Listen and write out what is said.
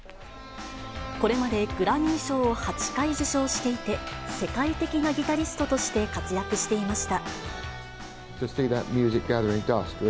これまでグラミー賞を８回受賞していて、世界的なギタリストとして活躍していました。